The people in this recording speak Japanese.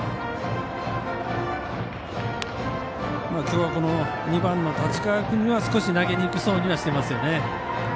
今日は２番の立川君には少し投げにくそうにしていますね。